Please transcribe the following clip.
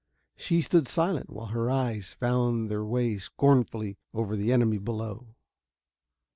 She stood silent, while her eyes found their way scornfully over the enemy below.